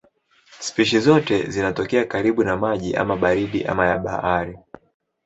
Spishi zote zinatokea karibu na maji ama baridi ama ya bahari.